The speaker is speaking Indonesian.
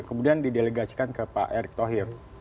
kemudian didelegasikan ke pak erick thohir